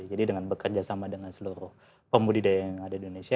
jadi dengan bekerja sama dengan seluruh pembudidaya yang ada di indonesia